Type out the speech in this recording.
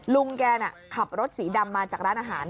ลุงแกน่ะขับรถสีดำมาจากร้านอาหาร